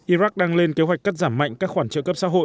iraq đang lên kế hoạch cắt giảm mạnh các khoản trợ cấp xã hội